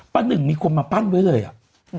หนึ่งมีคนมาปั้นไว้เลยอ่ะ